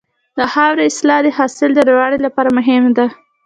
د خاورې اصلاح د حاصل د لوړوالي لپاره مهمه ده.